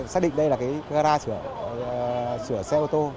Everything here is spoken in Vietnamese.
xác định đây là cái camera sửa xe ô tô